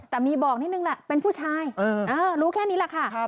แต่มีบอกนิดนึงแหละเป็นผู้ชายรู้แค่นี้แหละค่ะ